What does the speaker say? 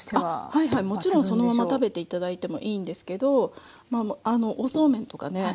はいはいもちろんそのまま食べて頂いてもいいんですけどおそうめんとかね